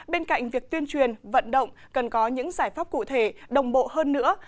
bên cạnh việc tuyên truyền vận động cần có những giải pháp cụ thể đồng bộ hơn nữa